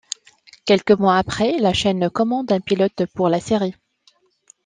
Quelques mois après, la chaîne commande un pilote pour la série.